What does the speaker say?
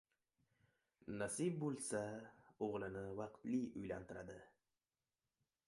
Nasib bo‘lsa, o‘g‘lini vaqtli uylantiradi.